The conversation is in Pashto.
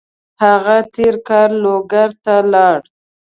هغه تېر کال لوګر ته لاړ.